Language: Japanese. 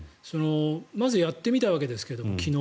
まずやってみたわけですけど昨日。